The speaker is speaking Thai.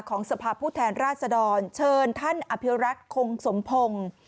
สภาพผู้แทนราชดรเชิญท่านอภิวรักษ์คงสมพงศ์